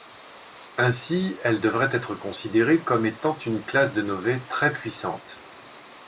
Ainsi, elles devraient être considérées comme étant une classe de novae très puissantes.